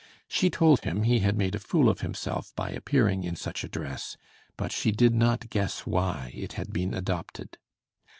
She told him he had made a fool of himself by appearing in such a dress, but she did not guess why it had been adopted.